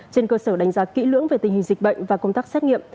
trên cơ sở đánh giá kỹ lưỡng về tình hình dịch bệnh và công tác xét nghiệm